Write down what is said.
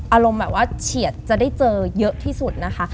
อารมณ์แบบว่าเฉียดจะได้เจอเยอะที่สุดนะคะ